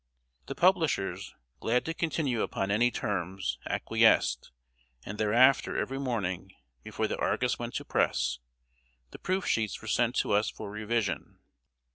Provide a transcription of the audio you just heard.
The publishers, glad to continue upon any terms, acquiesced, and thereafter every morning, before The Argus went to press, the proof sheets were sent to us for revision.